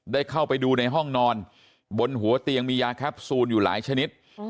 ได้เข้าไปดูในห้องนอนบนหัวเตียงมียาแคปซูลอยู่หลายชนิด